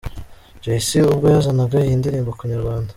Jay C ubwo yazanaga iyi ndirimbo ku Inyarwanda.